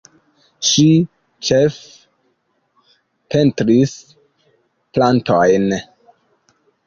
Ŝi ĉefe pentris plantojn.